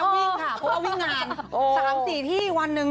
วิ่งค่ะเพราะว่าวิ่งงาน๓๔ที่วันหนึ่ง